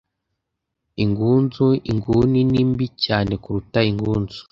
Ingunzu inguni ni mbi cyane kuruta ingunzu.